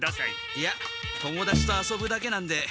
いや友だちと遊ぶだけなんで。